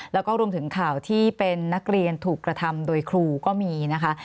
แล้วก็รวมถึงข่าวที่เป็นนักเรียนถูกกระทำโดยครูก็มีนะคะ